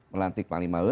melantik panglima lalu